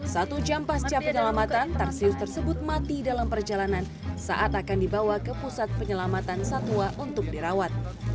satu jam pasca penyelamatan tarsius tersebut mati dalam perjalanan saat akan dibawa ke pusat penyelamatan satwa untuk dirawat